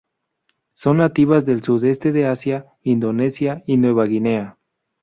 Son nativas del sudeste de Asia, Indonesia y Nueva Guinea.